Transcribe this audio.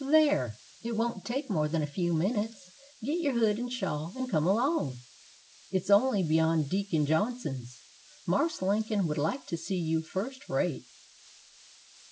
There! it won't take more'n a few minutes. Get your hood and shawl, and come along; it's only beyond Deacon Johnson's. Marse Lincoln would like to see you first rate."